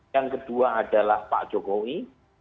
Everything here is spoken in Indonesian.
yang kedua adalah pak jokowi